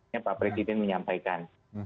yang pak presiden menyampaikan